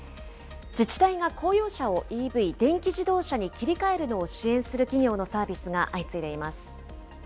自治体が公用車をＥＶ・電気自動車に切り替えるのを支援する企業のサービスが相次いでいます。